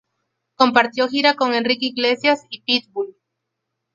Compartió gira con Enrique Iglesias y Pitbull.